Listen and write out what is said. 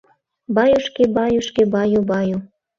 Баюшки, баюшки, баю-баю.